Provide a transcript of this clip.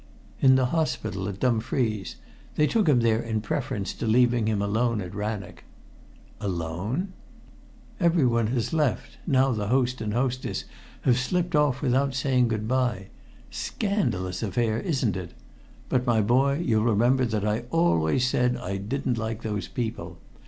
"In the hospital at Dumfries. They took him there in preference to leaving him alone at Rannoch." "Alone?" "Of course. Everyone has left, now the host and hostess have slipped off without saying good bye. Scandalous affair, isn't it? But, my boy, you'll remember that I always said I didn't like those people.